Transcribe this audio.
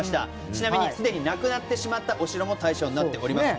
ちなみにすでになくなってしまったお城も対象になっております。